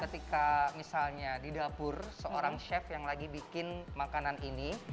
ketika misalnya di dapur seorang chef yang lagi bikin makanan ini